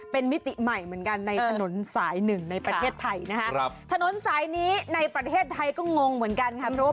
เป็นมิติใหม่เหมือนกันในถนนสายหนึ่งในประเทศไทยนะครับถนนสายนี้ในประเทศไทยก็งงเหมือนกันค่ะเพราะว่า